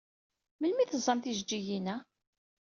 Melmi ay teẓẓam tijeǧǧigin-a?